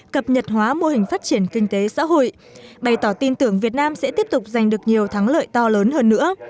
cập nhật hóa mô hình phát triển kinh tế xã hội bày tỏ tin tưởng việt nam sẽ tiếp tục giành được nhiều thắng lợi to lớn hơn nữa